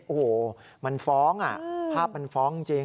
โอ้โหมันฟ้องภาพมันฟ้องจริง